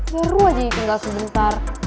baru aja ini tinggal sebentar